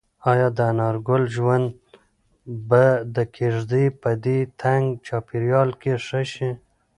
ایا د انارګل ژوند به د کيږدۍ په دې تنګ چاپیریال کې ښه شي؟